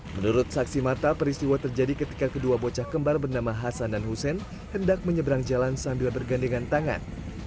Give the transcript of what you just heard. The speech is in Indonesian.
menurut saksi mata peristiwa terjadi ketika kedua bocah kembar bernama hasan dan hussein hendak menyeberang jalan sambil bergandengan tangan